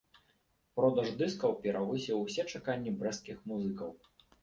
Продаж дыскаў перавысіў усе чаканні брэсцкіх музыкаў.